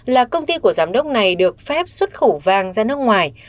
là công ty của giám đốc này được phép xuất khẩu vàng ra nước ngoài